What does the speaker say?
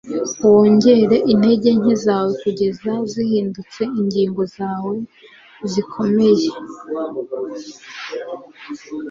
wongere intege nke zawe kugeza zihindutse ingingo zawe zikomeye. - knute rockne